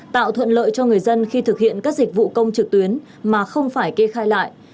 tạo thuận lợi cho người dân khi thực hiện các dịch vụ công trực tuyến mà không phải kê khai lại